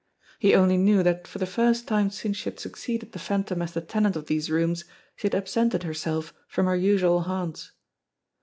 He only knew that for the first time since she had succeeded the Phantom as the tenant of these rooms, she had absented herself from her usual haunts.